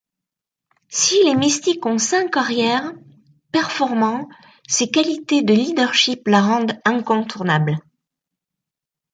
Si les Mystics ont cinq arrières performants, ses qualités de leadership la rendent incontournable.